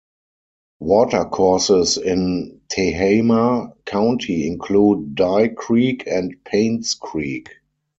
Watercourses in Tehama County include Dye Creek and Payne's Creek.